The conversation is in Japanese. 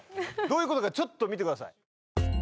どういうことかちょっと見てください